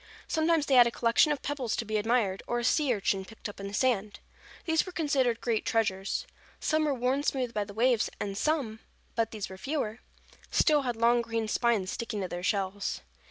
Sometimes they had a collection of pebbles to be admired, or a sea urchin picked up in the sand. These were considered great treasures. Some were worn smooth by the waves, and some—but these were fewer—still had long green spines sticking to their shells.